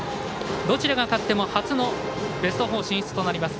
どちらが勝っても初のベスト４進出となります。